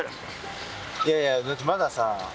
いやいやだってまださ。